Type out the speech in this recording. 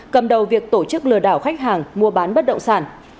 cầm đầu việc tổ chức lừa đảo khách hàng mua bán bất động sản